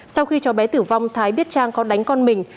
sau khi cháu bé tử vong thái biết trang có đánh con mình